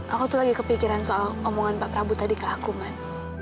aku tuh lagi kepikiran soal omongan pak prabu tadi ke aku man